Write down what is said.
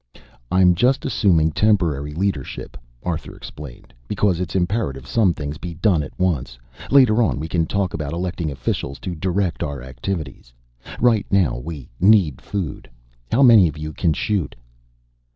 "I'm just assuming temporary leadership," Arthur explained, "because it's imperative some things be done at once. Later on we can talk about electing officials to direct our activities. Right now we need food. How many of you can shoot?"